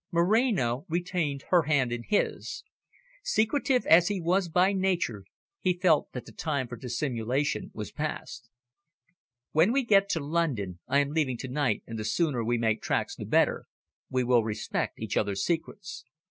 Moreno retained her hand in his. Secretive as he was by nature, he felt that the time for dissimulation was past. "When we get to London I am leaving to night, and the sooner we make tracks the better we will respect each other's secrets.